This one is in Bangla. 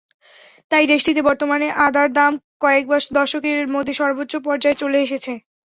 তাই দেশটিতে বর্তমানে আদার দাম কয়েক দশকের মধ্যে সর্বোচ্চ পর্যায়ে চলে এসেছে।